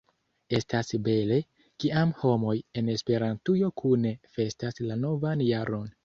Estas bele, kiam homoj en Esperantujo kune festas la novan jaron.